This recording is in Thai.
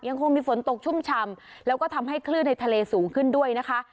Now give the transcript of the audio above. ยังคงมีฝนตกชุ่มชำแล้วก็ทำให้คลื่นในทะเลสูงขึ้นด้วยนะคะ